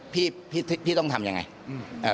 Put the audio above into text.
พี่ต้องทำอย่างไร